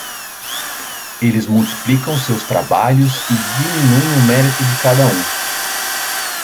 Eles multiplicam seus trabalhos e diminuem o mérito de cada um.